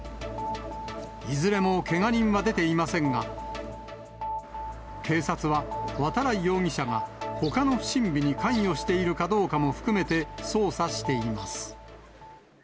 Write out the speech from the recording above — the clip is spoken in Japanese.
いずれもけが人は出ていませんが、警察は渡来容疑者がほかの不審火に関与しているかどうかも含めて捜査しています。